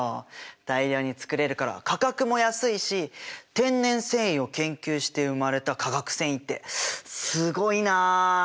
大量に作れるから価格も安いし天然繊維を研究して生まれた化学繊維ってすごいな。